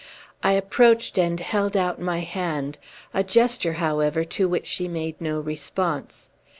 I approached and held out my hand; a gesture, however, to which she made no response.